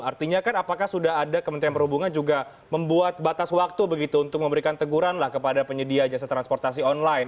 artinya kan apakah sudah ada kementerian perhubungan juga membuat batas waktu begitu untuk memberikan teguran lah kepada penyedia jasa transportasi online